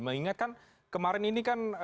mengingatkan kemarin ini kan